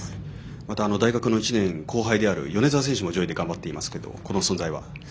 また、大学の１年後輩である米澤選手も上位で頑張ってますけどこの存在は？